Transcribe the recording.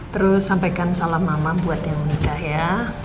terus sampaikan salam mama buat yang menikah ya